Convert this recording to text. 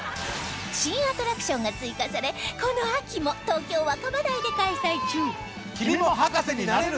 新アトラクションが追加されこの秋も東京・若葉台で開催中